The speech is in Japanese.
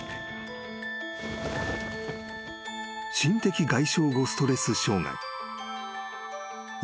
［心的外傷後ストレス障がい。